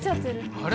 あれ？